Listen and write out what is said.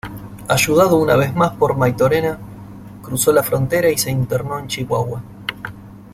Ayudado una vez más por Maytorena, cruzó la frontera y se internó en Chihuahua.